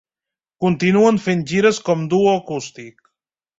Continuen fent gires com duo acústic.